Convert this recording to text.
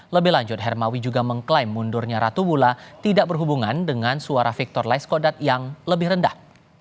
lebih lanjut hermawi juga mengklaim mundurnya ratu bula tidak berhubungan dengan suara victor laiskodat yang lebih rendah